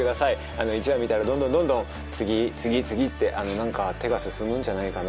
あの１話見たらどんどんどんどん次次次ってあのなんか手が進むんじゃないかな。